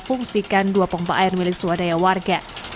fungsikan dua pompa air milik swadaya warga